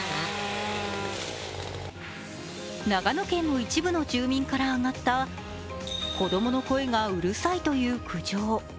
長野県の一部の住民からあがった子供の声がうるさいという苦情。